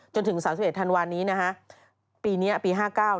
จนถึง๓๑ธันวานนี้ปีนี้ปี๑๙๕๙